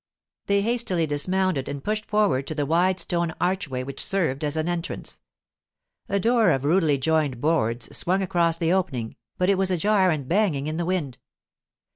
They hastily dismounted and pushed forward to the wide stone archway which served as entrance. A door of rudely joined boards swung across the opening, but it was ajar and banging in the wind.